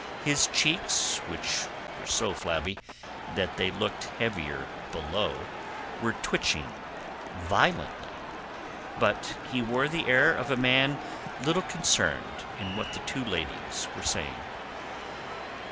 His cheeks, which were so flabby that they looked heavier below, were twitching violently; but he wore the air of a man little concerned in what the two ladies were saying.